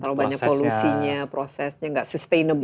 terlalu banyak polusinya prosesnya gak sustainable